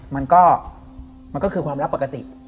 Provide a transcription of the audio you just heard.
มันก็คือความรักปกติ